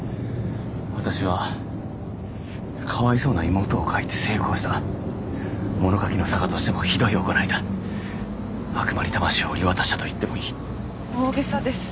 私はかわいそうな妹を書いて成功した物書きのさがとしてもひどい行いだ悪魔に魂を売り渡したと言ってもいい大げさです